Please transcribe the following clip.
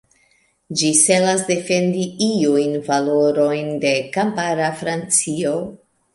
Ĝi celas defendi iujn valorojn de kampara Francio.